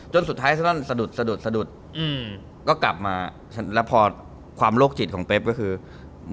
สุดท้ายซะนอนสะดุดสะดุดสะดุดอืมก็กลับมาแล้วพอความโรคจิตของเป๊บก็คือ